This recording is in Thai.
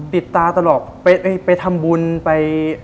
ตาตลอดไปทำบุญไป